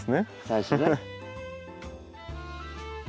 最初ね。